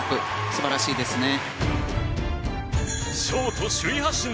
素晴らしいですね。